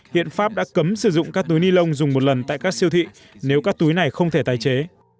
hiện pháp đã cấm sử dụng các túi ni lông dùng một lần tại các siêu thị nếu các túi này không thể tái chế